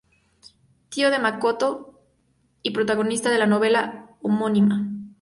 Tía de Makoto y protagonista de la novela homónima.